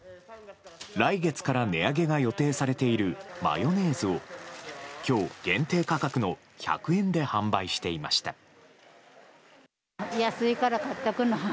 来月から値上げが予定されているマヨネーズを今日、限定価格の１００円で販売していました。